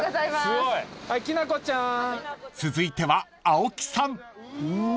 ［続いては青木さん］